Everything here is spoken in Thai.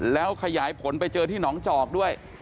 แล้วขยายผลไปเจอที่หนองจอกด้วย